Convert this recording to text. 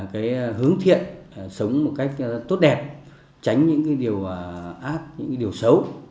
cái hướng thiện sống một cách tốt đẹp tránh những cái điều ác những cái điều xấu